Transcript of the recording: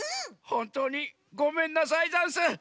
ほんとうにごめんなさいざんす。